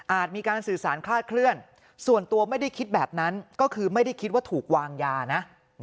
มีการสื่อสารคลาดเคลื่อนส่วนตัวไม่ได้คิดแบบนั้นก็คือไม่ได้คิดว่าถูกวางยานะ